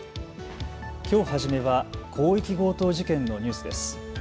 きょう初めは広域強盗事件のニュースです。